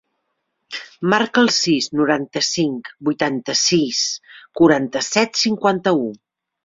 Marca el sis, noranta-cinc, vuitanta-sis, quaranta-set, cinquanta-u.